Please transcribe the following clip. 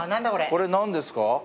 これ何ですか？